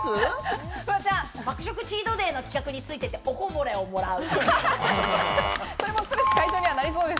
爆食チートデイの企画についてっておこぼれをもらう。